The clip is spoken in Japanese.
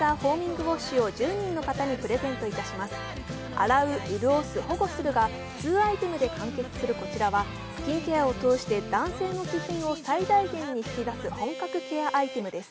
洗う・潤す・保護するが２アイテムで完結するこちらはスキンケアを通して男性の気品を最大限に引き出す本格ケアアイテムです。